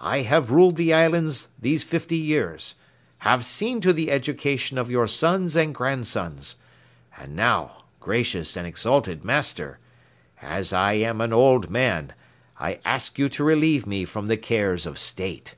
I have ruled the Islands these fifty years; have seen to the education of your sons and grandsons. And now, gracious and exalted Master, as I am an old man I ask you to relieve me from the cares of state."